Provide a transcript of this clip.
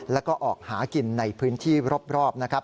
แล้วก็ออกหากินในพื้นที่รอบนะครับ